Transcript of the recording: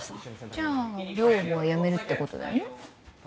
じゃあ寮母はやめるってことだよね？